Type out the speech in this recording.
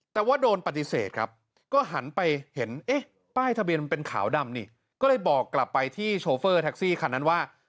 แต่ว่าโดนปฏิเสธครับก็หันไปเห็นเอ๊ะป้ายทะเบียนมันเป็นขาวดำนี่ก็เลยบอกกลับไปที่โชเฟอร์แท็กซี่คันนั้นว่า